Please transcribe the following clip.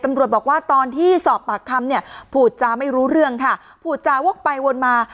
ตำรวจบอกว่าตอนที่สอบปากคำเนี่ยพูดจาไม่รู้เรื่องค่ะพูดจาวกไปวนมา